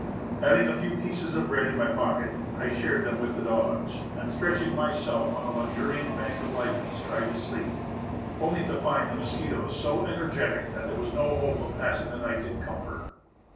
Having a few pieces of bread in my pocket, I shared them with the dogs, and stretching mj^self on a luxuriant bank of hchens tried to sleep, only to find the mosquitoes so ener getic that there was no hope of passing the night in comfort.